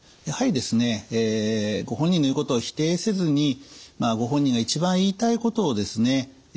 やはりですねご本人の言うことを否定せずにご本人が一番言いたいことをですね